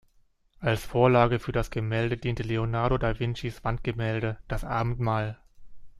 Als Vorlage für das Gemälde diente Leonardo da Vincis Wandgemälde "Das Abendmahl".